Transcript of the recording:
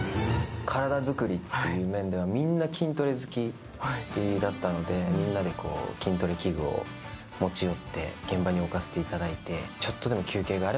体作りという面ではみんな筋トレ好きだったのでみんなで筋トレ器具を持ち寄って現場に置かせていただいて。